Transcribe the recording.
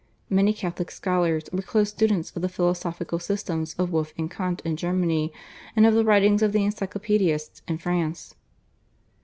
Many Catholic scholars were close students of the philosophical systems of Wolf and Kant in Germany, and of the writings of the Encyclopaedists in France.